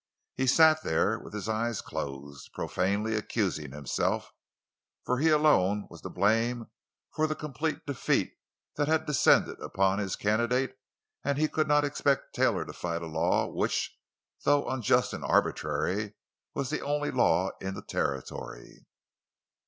He sat there with his eyes closed, profanely accusing himself, for he alone was to blame for the complete defeat that had descended upon his candidate; and he could not expect Taylor to fight a law which, though unjust and arbitrary, was the only law in the Territory.